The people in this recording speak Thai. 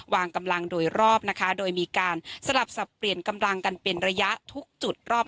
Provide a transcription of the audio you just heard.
วางกำลังโดยรอบนะคะโดยมีการสลับสับเปลี่ยนกำลังกันเป็นระยะทุกจุดรอบ